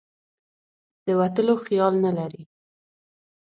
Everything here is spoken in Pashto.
د وتلو خیال نه لري.